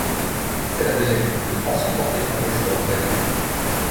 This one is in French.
C'est la deuxième Coupe de France remportée par les joueurs rennais.